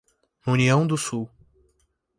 União do Sul